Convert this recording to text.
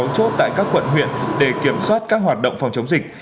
hai mươi sáu chốt tại các quận huyện để kiểm soát các hoạt động phòng chống dịch